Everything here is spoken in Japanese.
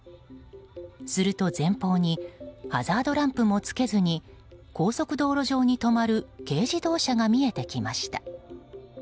すると前方にハザードランプもつけずに高速道路上に止まる軽自動車が見えてきました。